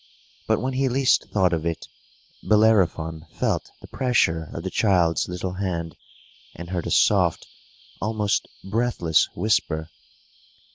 But, when he least thought of it, Bellerophon felt the pressure of the child's little hand, and heard a soft, almost breathless, whisper.